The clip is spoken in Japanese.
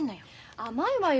甘いわよ。